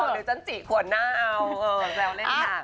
หรือฉันจี่ขวดหน้าเอา